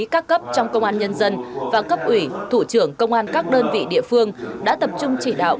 các cấp trong công an nhân dân và cấp ủy thủ trưởng công an các đơn vị địa phương đã tập trung chỉ đạo